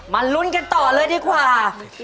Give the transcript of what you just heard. ลุ้นกันต่อเลยดีกว่า